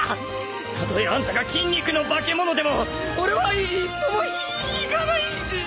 たとえあんたが筋肉の化け物でも俺は一歩もひひ引かないぜぇ。